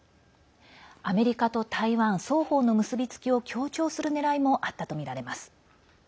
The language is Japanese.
アメリカと台湾双方の結び付きを強調するねらいもあったとみられます。